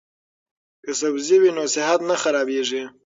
که سبزی وي نو صحت نه خرابیږي.